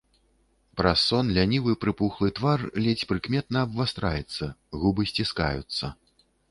Праз сон лянівы прыпухлы твар ледзь прыкметна абвастраецца, губы сціскаюцца.